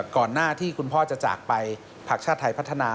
ก่อนหน้าที่คุณพ่อจะจากไปพักชาติไทยพัฒนา